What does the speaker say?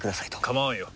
構わんよ。